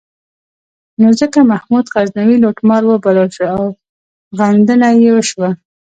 نو ځکه محمود غزنوي لوټمار وبلل شو او غندنه یې وشوه.